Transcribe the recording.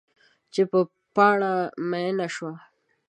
چې په پاڼه میینه شوه